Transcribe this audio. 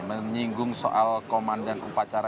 menyinggung soal komandan upacara